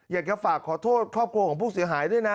อยากจะฝากขอโทษครอบครัวของผู้เสียหายด้วยนะ